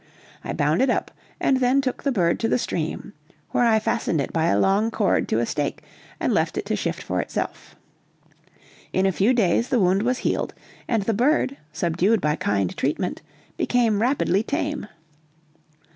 I bound it up, and then took the bird to the stream, where I fastened it by a long cord to a stake and left it to shift for itself. In a few days the wound was healed, and the bird, subdued by kind treatment, became rapidly tame.